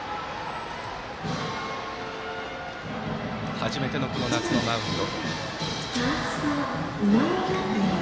初めての、この夏のマウンド。